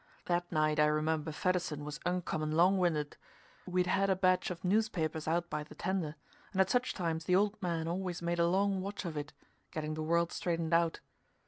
That night I remember Fedderson was uncommon long winded. We'd had a batch of newspapers out by the tender, and at such times the old man always made a long watch of it, getting the world straightened out.